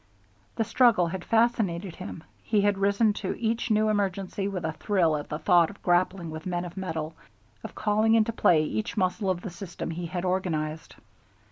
The struggle had fascinated him, he had risen to each new emergency with a thrill at the thought of grappling with men of mettle, of calling into play each muscle of the system he had organized.